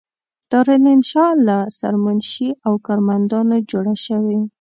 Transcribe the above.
دارالانشأ له سرمنشي او کارمندانو جوړه شوې.